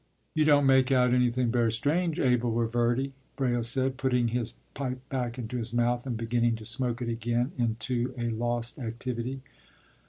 ” “You don't make out anything very strange, Abel Reverdy,” Braile said, putting his pipe back into his mouth and beginning to smoke it again into a lost activity.